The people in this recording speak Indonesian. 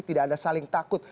tidak ada saling takut